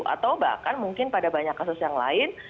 atau bahkan mungkin pada banyak kasus yang lain